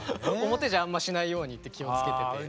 表じゃあんましないようにって気をつけてて。